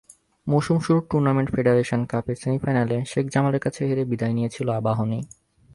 মৌসুম শুরুর tournament federation কাপের সেমিফাইনালে শেখ জামালের কাছে হেরে বিদায় নিয়েছিল আবাহনী।